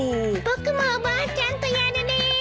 僕もおばあちゃんとやるです。